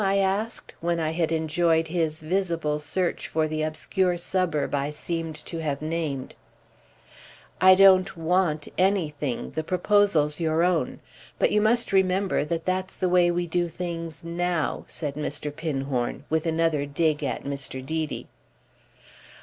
I asked when I had enjoyed his visible search for the obscure suburb I seemed to have named. "I don't 'want' anything—the proposal's your own. But you must remember that that's the way we do things now," said Mr. Pinhorn with another dig Mr. Deedy.